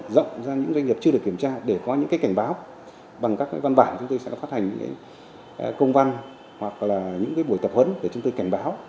rộng ra những doanh nghiệp chưa được kiểm tra để có những cảnh báo bằng các văn bản chúng tôi sẽ phát hành những công văn hoặc là những buổi tập huấn để chúng tôi cảnh báo